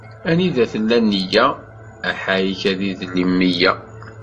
Anida tella nneyya, aḥayek ad idel meyya.